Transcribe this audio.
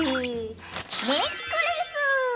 ネックレス！